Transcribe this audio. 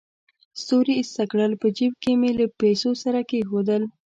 ستوري ایسته کړل، په جېب کې مې له پیسو سره کېښودل.